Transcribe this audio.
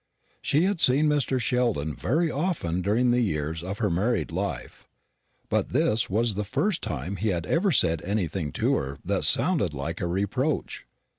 She had seen Mr. Sheldon very often during the years of her married life, but this was the first time he had ever said anything to her that sounded like a reproach.